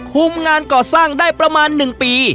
คุ้มงานก่อสร้างได้ประมาณนึงปี